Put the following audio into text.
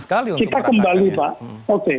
sekali untuk memerangkatkan kita kembali pak oke